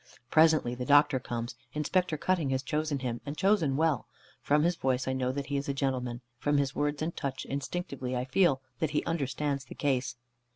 Presently the doctor comes. Inspector Cutting has chosen him, and chosen well. From his voice I know that he is a gentleman, from his words and touch instinctively I feel that he understands the case.